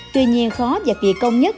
tuy nhiên khó và kỳ công nhất